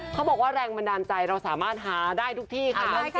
เขาบอกว่าแรงบันดาลใจเราสามารถหาได้ทุกที่ค่ะ